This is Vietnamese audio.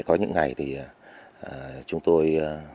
có những ngày thì chúng tôi